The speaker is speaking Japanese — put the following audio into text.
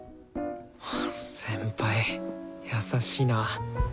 先輩優しいな。